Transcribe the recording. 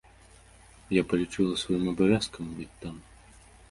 Я палічыла сваім абавязкам быць там.